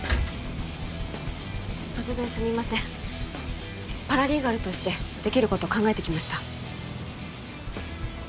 突然すみませんパラリーガルとしてできること考えてきました